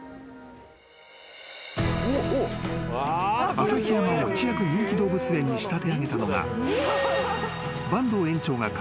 ［旭山を一躍人気動物園に仕立て上げたのが］